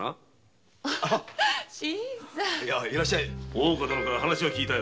大岡殿から話は聞いたよ。